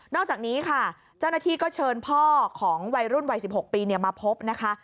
อกจากนี้ค่ะเจ้าหน้าที่ก็เชิญพ่อของวัยรุ่นวัย๑๖ปีมาพบนะคะ